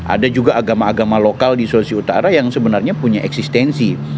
ada juga agama agama lokal di sulawesi utara yang sebenarnya punya eksistensi